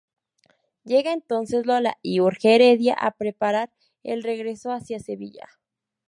Llega entonces Lola y urge Heredia a preparar el regreso hacia Sevilla.